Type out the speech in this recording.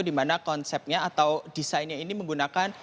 di mana konsepnya atau desainnya ini menggunakan